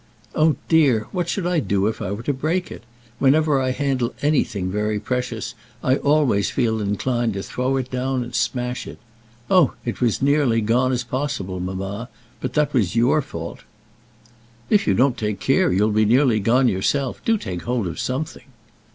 "Oh, dear, what should I do if I were to break it? Whenever I handle anything very precious I always feel inclined to throw it down and smash it. Oh! it was as nearly gone as possible, mamma; but that was your fault." "If you don't take care you'll be nearly gone yourself. Do take hold of something."